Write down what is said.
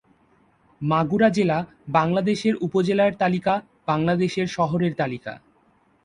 মাগুরা জেলা, বাংলাদেশের উপজেলার তালিকা, বাংলাদেশের শহরের তালিকা